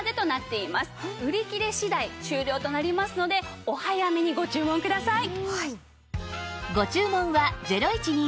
売り切れ次第終了となりますのでお早めにご注文ください。